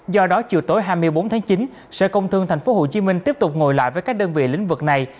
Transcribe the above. do đó chiều tối hai mươi bốn tháng chín sở công thương tp hcm tiếp tục ngồi lại với các đơn vị lĩnh vực này